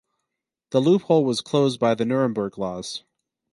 The loophole was closed by the Nuremberg Laws.